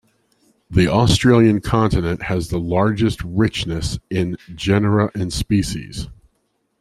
The Australian Continent has the largest richness in genera and species.